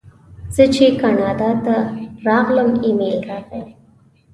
زه چې کاناډا ته راغلم ایمېل راغی.